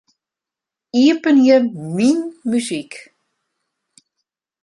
Iepenje Myn muzyk.